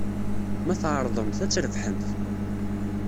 Ma tɛerḍemt, ad trebḥemt.